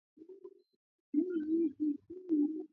Ngamia pekee